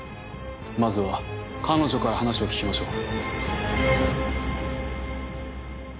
まずは彼女から話を聞きましょう。